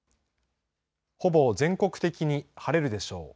ほぼ全国的に晴れるでしょう。